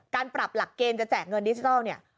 การปรับหลักเกณฑ์จะแจกเงินดิจิทัลเนี่ย